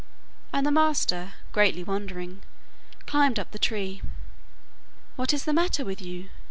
And the master, greatly wondering, climbed up the tree. 'What is the matter with you?